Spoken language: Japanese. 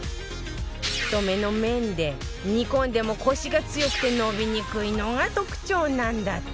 太めの麺で煮込んでもコシが強くて伸びにくいのが特徴なんだって